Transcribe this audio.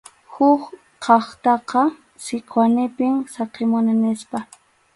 Huk kaqtaqa Sikwanipim saqimuni nispa.